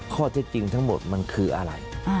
ข้อเท็จจริงทั้งหมดมันคืออะไร